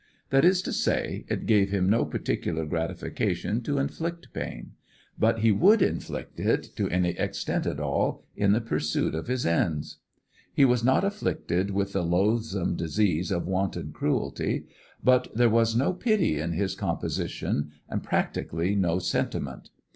That is to say, it gave him no particular gratification to inflict pain; but he would inflict it to any extent at all, in the pursuit of his ends. He was not afflicted with the loathsome disease of wanton cruelty, but there was no pity in his composition, and practically no sentiment.